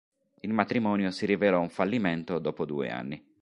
Il matrimonio si rivelò un fallimento dopo due anni.